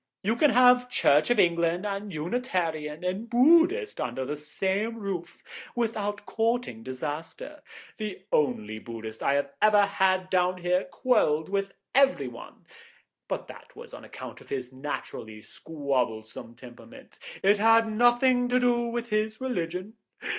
You can have Church of England and Unitarian and Buddhist under the same roof without courting disaster; the only Buddhist I ever had down here quarrelled with everybody, but that was on account of his naturally squabblesome temperament; it had nothing to do with his religion.